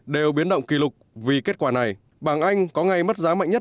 đều biến động kỷ lục vì kết quả này bảng anh có ngày mất giá mạnh nhất